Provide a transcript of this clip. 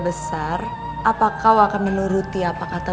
putraku aku mengajarimu berbicara